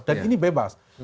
dan ini bebas